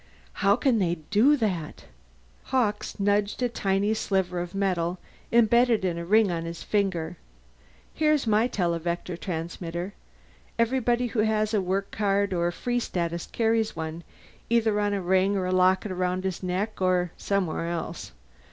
"How can they do that?" Hawkes nudged a tiny sliver of metal embedded in a ring on his finger. "Here's my televector transmitter. Everyone who has a work card or Free Status carries one, either on a ring or in a locket round his neck or somewhere else.